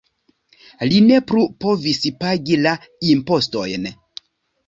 Li ne plu povis pagi la impostojn.